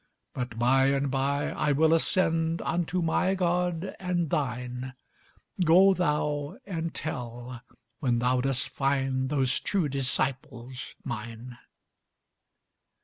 "But by and by I will ascend Unto my God and thine; Go thou and tell, when thou dost find Those true disciples mine."